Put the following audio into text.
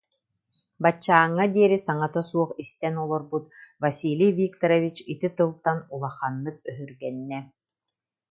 Баччааҥҥа диэри саҥата суох истэн олорбут Василий Викторович ити тылтан улаханнык өһүргэннэ: